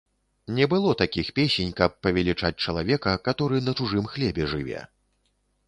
Не было такіх песень, каб павелічаць чалавека, каторы на чужым хлебе жыве.